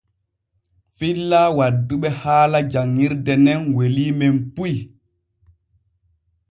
Filla wadduɓe haala janŋirde nen weliimen puy.